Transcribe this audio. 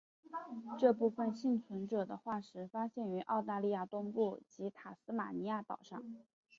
这部分幸存者的化石发现于澳大利亚东部及塔斯马尼亚岛上。